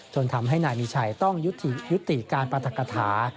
ทำให้นายมีชัยต้องยุติการปรัฐกฐา